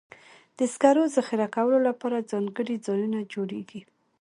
د سکرو ذخیره کولو لپاره ځانګړي ځایونه جوړېږي.